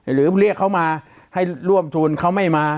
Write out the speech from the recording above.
เรียกเขามาให้ร่วมทุนเขาไม่มา